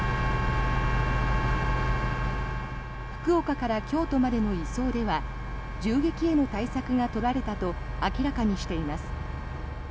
福岡から京都までの移送では銃撃への対策が取られたと明らかにしています。